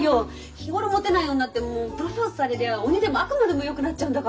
日頃もてない女ってもうプロポーズされりゃ鬼でも悪魔でもよくなっちゃうんだから。